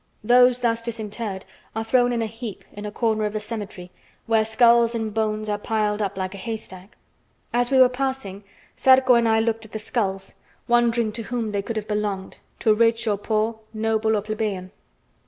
Those thus disinterred are thrown in a heap in a corner of the cemetery, where skulls and bones are piled up like a haystack. As we were passing, Zarco and I looked at the skulls, wondering to whom they could have belonged, to rich or poor, noble or plebeian.